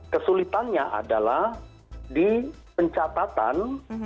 kesulitannya adalah di pencatatan